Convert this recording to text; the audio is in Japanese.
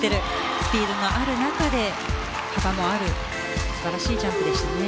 スピードのある中で幅もある素晴らしいジャンプでしたね。